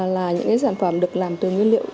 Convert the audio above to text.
là những sản phẩm được làm từ nguyên liệu